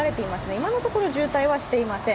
今のところ渋滞はしていません。